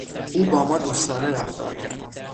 او با ما دوستانه رفتار کرد.